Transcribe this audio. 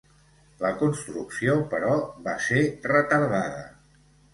La construcció, però, va ser retardada.